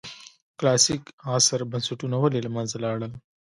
کلاسیک عصر بنسټونه ولې له منځه لاړل.